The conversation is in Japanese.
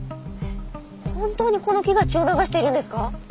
本当にこの木が血を流しているんですか！？